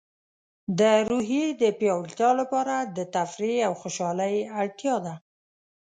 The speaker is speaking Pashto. د روحیې د پیاوړتیا لپاره د تفریح او خوشحالۍ اړتیا ده.